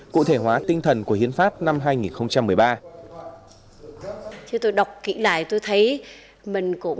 cụ thể hóa tinh thần của hiến pháp năm hai nghìn một mươi ba